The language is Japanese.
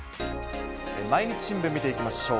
毎日新聞見ていきましょう。